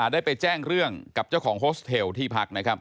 ได้ไปแจ้งเรื่องกับเจ้าของโฮสเทลที่พักนะครับ